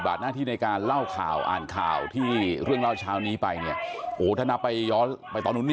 หน้าที่ในการเล่าข่าวอ่านข่าวที่เรื่องเล่าเช้านี้ไปเนี่ยโอ้โหถ้านับไปย้อนไปตอนนู้นนี่